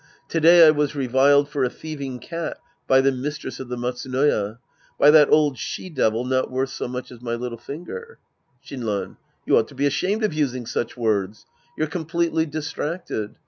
To day I was reviled for a thieving cat by the mis. tress of the Matsuhoya. By that old she devil, not worth so much as my little finger ! Shinran. You ought to be ashamed of using such words. You're completely distracted.